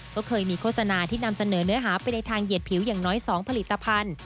ก็เคยมีโฆษณาที่นำเสนอเนื้อหาไปในทางเหยียดผิวอย่างน้อย๒ผลิตภัณฑ์